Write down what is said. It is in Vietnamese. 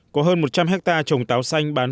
có hơn một trăm linh hectare trồng táo xanh bán